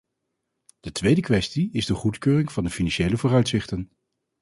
De tweede kwestie is de goedkeuring van de financiële vooruitzichten.